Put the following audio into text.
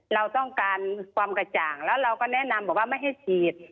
เราต้องการความกระจ่างแล้วเราก็แนะนำบอกว่าไม่ให้ฉีด